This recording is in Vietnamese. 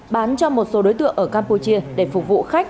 bán cho một số đối tượng ở campuchia để phục vụ khách